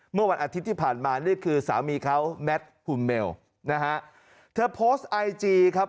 เมื่อวันอาทิตย์ที่ผ่านมานี่คือสามีเขาแมทหุมเมลนะฮะเธอโพสต์ไอจีครับ